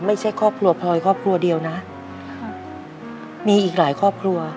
ไม่ใช่ครอบครัวพลอยครอบครัวเดียวนะครับมีอีกหลายครอบครัว